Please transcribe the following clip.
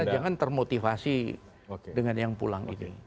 karena jangan termotivasi dengan yang pulang itu